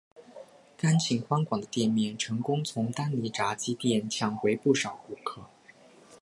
干净宽广的店面成功从丹尼炸鸡店抢回不少顾客。